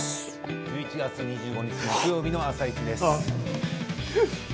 １１月２５日木曜日の「あさイチ」です。